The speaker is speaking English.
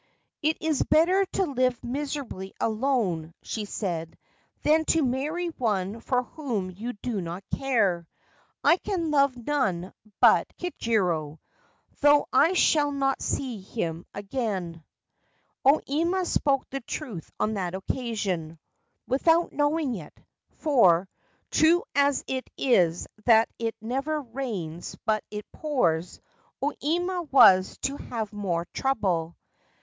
' It is better to live miserably alone,' she said, * than to marry one for whom you do not care ; I can love none but Kichijiro, though I shall not see him again/ O Ima spoke the truth on that occasion, without knowing it, for, true as it is that it never rains but it pours, O Ima was to have more trouble.